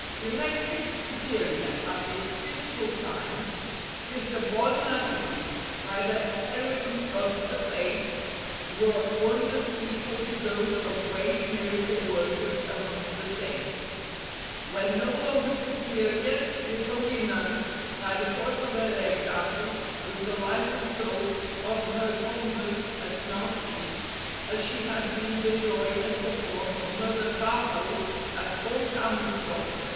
Elected Superior at this critical time, Sister Bonne Marie, by the heroism of her faith, wrought wonders equal to those of great miracle workers amongst the Saints. When no longer Superior, this holy Nun, by the force of her example, was the life and soul of her Convent at Nancy, as she had been the joy and support of Mother Favrot at Pont a Mousson.